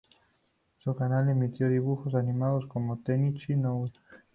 El canal emitió dibujos animados como "Tenchi Muyō!